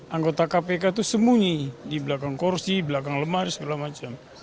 anggota kpk itu sembunyi di belakang korupsi belakang lemari segala macam